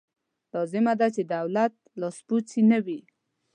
لازمه ده چې د دولت لاسپوڅې نه وي.